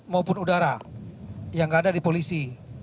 maupun udara yang ada di polisi